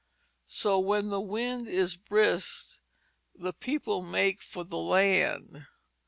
So when the wind is brisk the people make for the land.